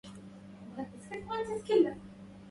ونبئت كلبا من كلاب يسبني